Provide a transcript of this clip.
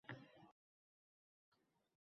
«Sekin ishga tushuvchi mina»